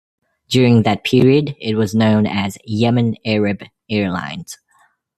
During that period, it was known as "Yemen Arab Airlines".